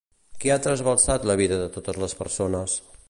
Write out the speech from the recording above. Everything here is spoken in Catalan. Què ha trasbalsat la vida de totes les persones?